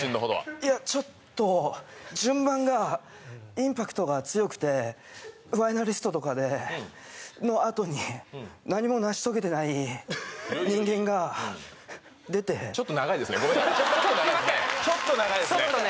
いやちょっと順番がインパクトが強くてファイナリストとかでのあとに何も成し遂げてない人間が出てごめんなちょっと長いですね